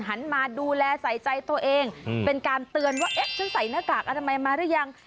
หันมาดูแลใส่ใจตัวเองเป็นการเตือนว่าเอ๊ะฉันใส่หน้ากากอนามัยมาหรือยัง